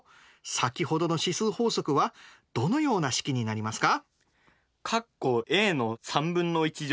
先ほどの指数法則はどのような式になりますか？